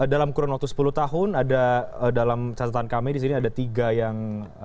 dalam kurang waktu sepuluh tahun ada dalam catatan kami disini ada tiga yang